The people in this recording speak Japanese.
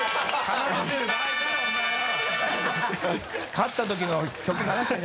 勝った時の曲がね。